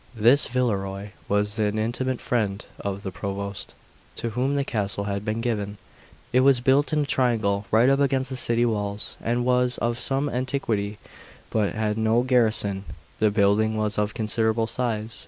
1 This Villerois was an intimate friend of the Provost, to whom the castle had been given. It was built in a triangle, right up against the city walls, and was of some antiquity, but had no garrison. The building was of considerable size.